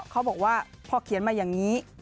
เขาบอกว่าพอเขียนมาอย่างนี้